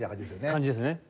感じですね。